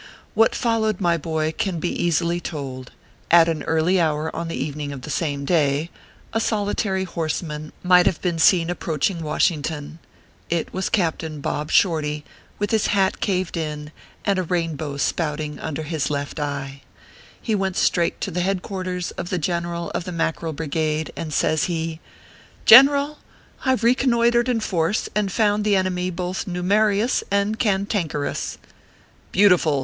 What followed, my boy, can be easily told. At an early hour on the evening of the same day, a solitary horseman might have been seen approaching "Wash ington. It was Captain Bob Shorty, with his hat caved in, and a rainbow spouting under his left eye. He went straight to the head quarters of the General of the Mackerel Brigade, and says he : "General, I ve reconnoitered in force, and found the enemy both numerious and cantankerous." "Beautiful!"